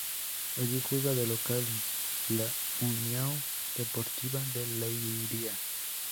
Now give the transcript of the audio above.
Allí juega de local la União Desportiva de Leiria.